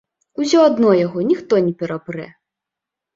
Усё адно яго ніхто не перапрэ.